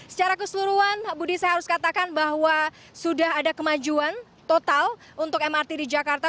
secara keseluruhan budi saya harus katakan bahwa sudah ada kemajuan total untuk mrt di jakarta